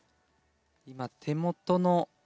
今手元の。